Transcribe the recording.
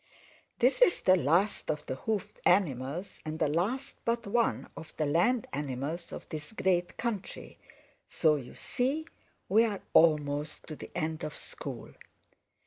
"This is the last of the hoofed animals and the last but one of the land animals of this great country, so you see we are almost to the end of school.